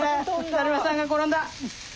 だるまさんが転んだ！